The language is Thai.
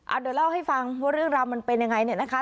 เดี๋ยวเล่าให้ฟังว่าเรื่องราวมันเป็นยังไงเนี่ยนะคะ